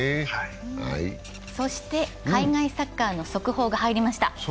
そして海外サッカーの速報が入りました。